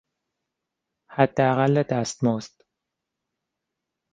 حداقل دستمزد